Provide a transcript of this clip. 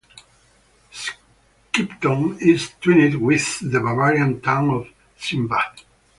Skipton is twinned with the Bavarian town of Simbach.